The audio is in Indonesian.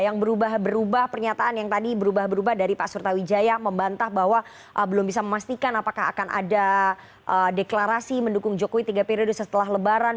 yang berubah berubah pernyataan yang tadi berubah berubah dari pak surta wijaya membantah bahwa belum bisa memastikan apakah akan ada deklarasi mendukung jokowi tiga periode setelah lebaran